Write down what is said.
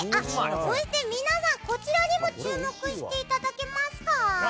そして、皆さんこちらにも注目していただけますか？